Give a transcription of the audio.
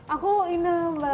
aku ina mbak